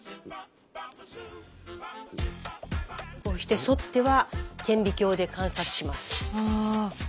こうしてそっては顕微鏡で観察します。